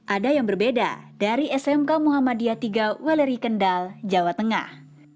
ada yang berbeda dari smk muhammadiyah iii w r i kendal jawa tengah